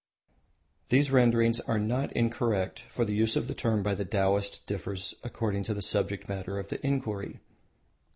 These renderings are not incorrect, for the use of the term by the Taoists differs according to the subject matter of the inquiry.